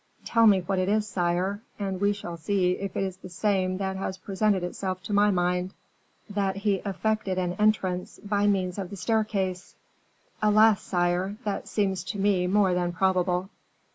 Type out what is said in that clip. "Tell me what it is, sire, and we shall see if it is the same that has presented itself to my mind." "That he effected an entrance by means of the staircase." "Alas, sire, that seems to me more than probable."